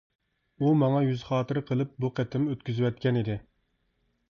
ئۇ ماڭا يۈز خاتىرە قىلىپ بۇ قېتىم ئۆتكۈزۈۋەتكەن ئىدى.